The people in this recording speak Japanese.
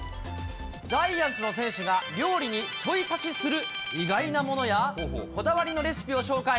ジャイアンツの選手が料理にちょい足しする意外なものや、こだわりのレシピを紹介。